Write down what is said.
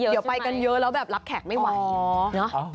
เดี๋ยวไปกันเยอะแล้วแบบรับแขกไม่ไหว